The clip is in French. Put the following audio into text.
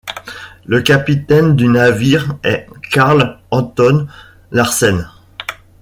Le capitaine du navire est Carl Anton Larsen.